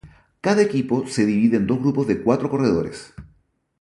Cada equipo se divide en dos grupos de cuatro corredores.